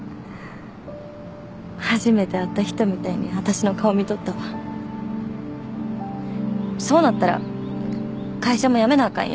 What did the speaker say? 初めて会った人みたいに私の顔見とったわそうなったら会社も辞めなあかん